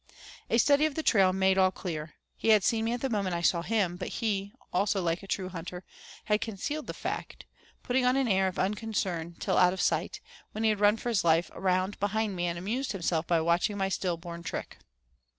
A study of the trail made all clear. He had seen me at the moment I saw him, but he, also like a true hunter, had concealed the fact, putting on an air of unconcern till out of sight, when he had run for his life around behind me and amused himself by watching my still born trick.